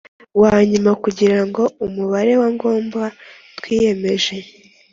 Wa nyuma kugira ngo umubare wa ngombwa twiyemeje